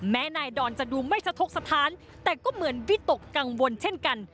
แม้นายดอนจะดูไม่สะทกสถานแต่ก็เหมือนวิตกกังวลเช่นกัน